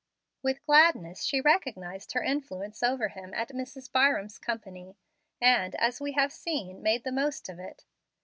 With gladness she recognized her influence over him at Mrs. Byram's company, and, as we have seen, made the most of it.